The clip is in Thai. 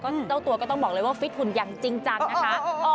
เจ้าตัวก็ต้องบอกเลยว่าฟิตหุ่นอย่างจริงจังนะคะ